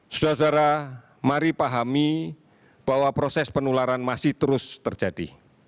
saudara saudara mari pahami bahwa proses penularan masih terus terjadi